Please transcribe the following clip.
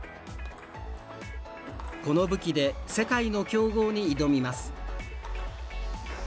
この武器で世界の強豪に挑みます。